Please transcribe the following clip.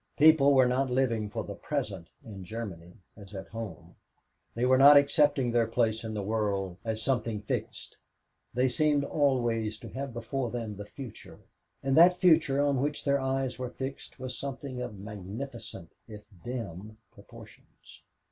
People were not living for the present in Germany as at home; they were not accepting their place in the world as something fixed; they seemed always to have before them the future, and that future on which their eyes were fixed was something of magnificent if dim proportions.